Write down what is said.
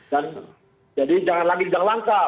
dan jadi jangan lagi bilang langka